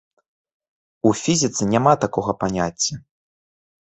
У фізіцы няма такога паняцця!